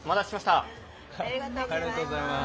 ありがとうございます。